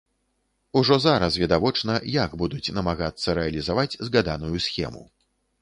Ужо зараз відавочна, як будуць намагацца рэалізаваць згаданую схему.